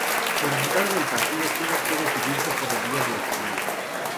El resultado del partido tuvo que decidirse por la vía de los penales.